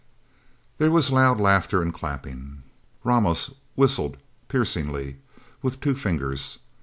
There was loud laughter and clapping. Ramos whistled piercingly, with two fingers.